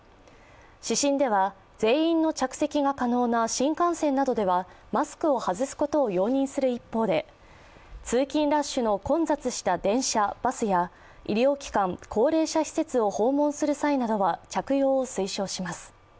指針では全員の着席が可能な新幹線などではマスクを外すことを容認する一方で通勤ラッシュの混雑した電車・バスや医療機関・高齢者施設を訪問する際などは着用を推奨します。